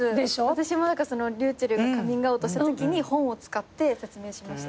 私もｒｙｕｃｈｅｌｌがカミングアウトしたときに本を使って説明しました。